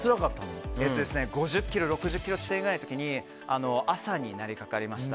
５０ｋｍ、６０ｋｍ地点の時に朝になりかかりました。